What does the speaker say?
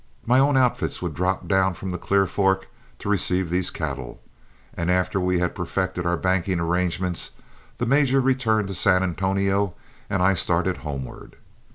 My own outfits would drop down from the Clear Fork to receive these cattle, and after we had perfected our banking arrangements the major returned to San Antonio and I started homeward.